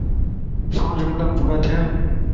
سوجملا پورا ٿيا؟